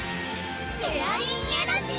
シェアリンエナジー！